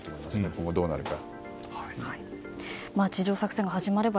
今後どうなるか。